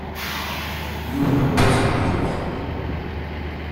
Yiwen n wass ad d-yuɣal.